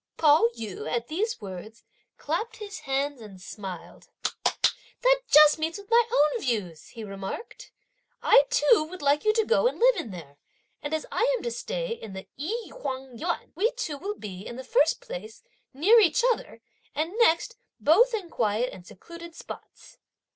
Pao yü at these words clapped his hands and smiled. "That just meets with my own views!" he remarked; "I too would like you to go and live in there; and as I am to stay in the I Hung Yuan, we two will be, in the first place, near each other; and next, both in quiet and secluded spots."